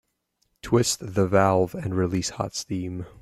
Twist the valve and release hot steam.